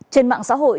trên mạng xã hội